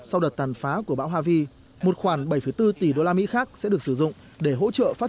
sau đợt tàn phá của bão havi một khoản bảy bốn tỷ đô la mỹ khác sẽ được sử dụng để hỗ trợ phát